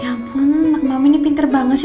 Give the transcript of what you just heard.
ya ampun anak mama ini pinter banget sih